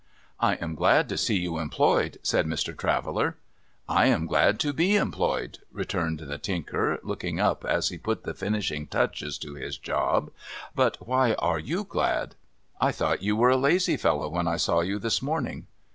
' I am glad to see you employed,' said Mr. Traveller. ' I am glad to be employed,' returned the Tinker, looking up as he put the finishing touches to his job. ' But why are you glad ?'' I thought you were a lazy fellow when I saw you this morning.'